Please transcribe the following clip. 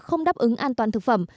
không đáp ứng an toàn thực phẩm